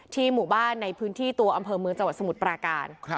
หมู่บ้านในพื้นที่ตัวอำเภอเมืองจังหวัดสมุทรปราการ